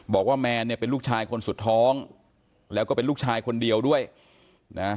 แมนเนี่ยเป็นลูกชายคนสุดท้องแล้วก็เป็นลูกชายคนเดียวด้วยนะ